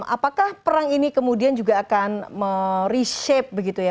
apakah perang ini kemudian juga akan reshape begitu ya